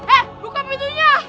eh buka pintunya